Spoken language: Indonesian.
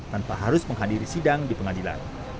tanpa harus menghadiri sidang di pengadilan